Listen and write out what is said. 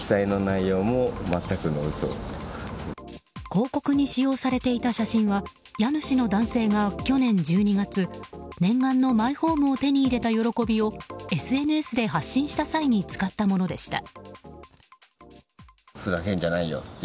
広告に使用されていた写真は家主の男性が去年１２月念願のマイホームを手に入れた喜びをＳＮＳで発信した際に使ったものでした。